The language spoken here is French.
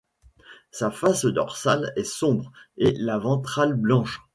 Sa face dorsale est sombre, et la ventrale blanche.